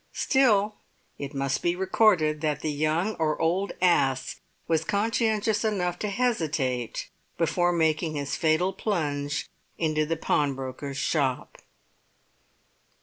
Still, it must be recorded that the young or old as was conscientious enough to hesitate before making his fatal plunge into the pawnbroker's shop.